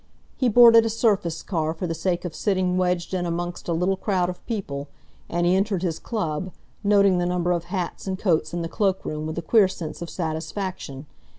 He boarded a surface car for the sake of sitting wedged in amongst a little crowd of people, and he entered his club, noting the number of hats and coats in the cloakroom with a queer sense of satisfaction.